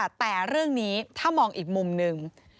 ก็บอกว่าแต่เรื่องนี้ถ้ามองอีกมุมนึง